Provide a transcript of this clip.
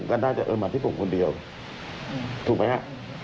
ก็น่าจะเอิญมาที่ผมคนเดียวถูกไหมฮะ